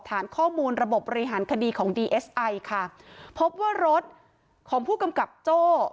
ฐานข้อมูลระบบบบริหารคดีของดีเอสไอค่ะพบว่ารถของผู้กำกับโจ้